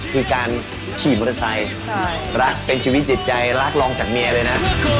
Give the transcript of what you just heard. คือการขี่มอเตอร์ไซค์รักเป็นชีวิตจิตใจรักรองจากเมียเลยนะ